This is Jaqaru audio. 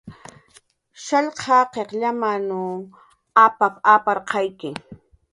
"Shallq jaqiq llamanw apap"" apnaq""ki"